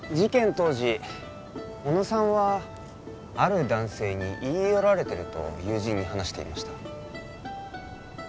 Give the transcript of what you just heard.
当時小野さんはある男性に言い寄られてると友人に話していました